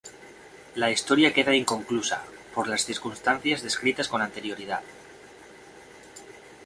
La historia queda inconclusa, por las circunstancias descritas con anterioridad.